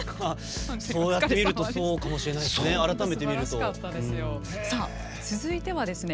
こうやって見るとそうかもしれないですね。